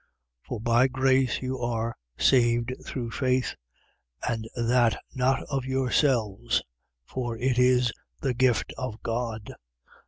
2:8. For by grace you are saved through faith: and that not of yourselves, for it is the gift of God.